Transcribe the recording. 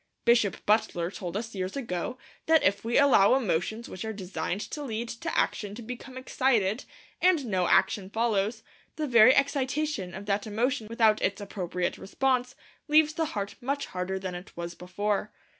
Bishop Butler told us years ago that if we allow emotions which are designed to lead to action to become excited, and no action follows, the very excitation of that emotion without its appropriate response leaves the heart much harder than it was before.